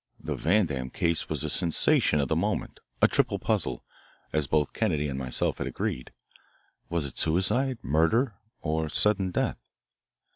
The Vandam case was the sensation of the moment, a triple puzzle, as both Kennedy and myself had agreed. Was it suicide, murder, or sudden death?